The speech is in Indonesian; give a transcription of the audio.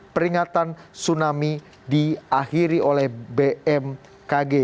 peringatan tsunami diakhiri oleh bmkg